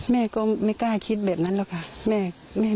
แม่ก็ไม่กล้าคิดแบบนั้นหรอกค่ะ